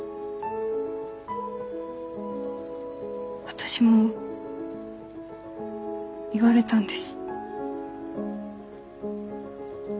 私も言われたんです。